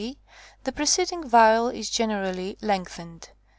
6) the preceding vowel is generally lengthened.